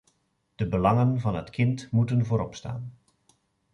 De belangen van het kind moeten voorop staan.